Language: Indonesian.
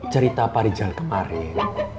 cerita pak rijal kemarin